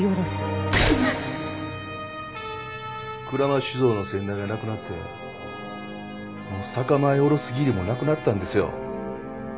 鞍馬酒造の先代が亡くなってもう酒米を卸す義理もなくなったんですよ。